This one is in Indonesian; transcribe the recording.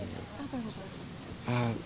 apa yang kamu rasakan